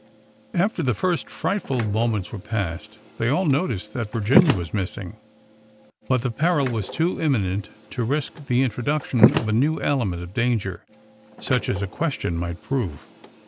After the first frightful moments were past, they all noticed that Virginia was missing, but the peril was too imminent to risk the introduction of a new element of danger, such as a question might prove.